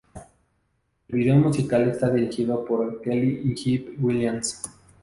El video musical está dirigido por Kelly y Hype Williams.